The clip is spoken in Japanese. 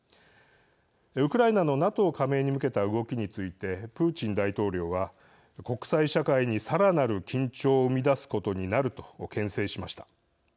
ウクライナのＮＡＴＯ加盟に向けた動きについて、プーチン大統領は国際社会にさらなる緊張を生み出すことになるとけん制しました。